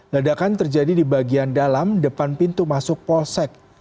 ledakan terjadi di bagian dalam depan pintu masuk polsek